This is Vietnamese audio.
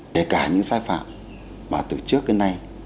kể cả những sai phạm mà từ trước đến nay